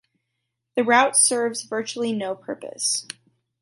The route serves virtually no purpose.